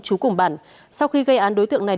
trú cùng bản sau khi gây án đối tượng này